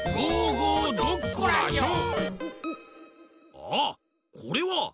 ああっこれは。